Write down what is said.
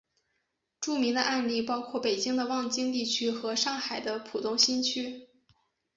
著名的案例包括北京的望京地区和上海的浦东新区。